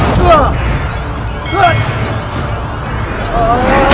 aku tidak percaya